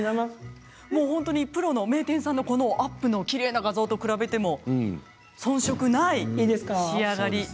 もう本当にプロの名店さんのこのアップのきれいな画像と比べても遜色ない仕上がり。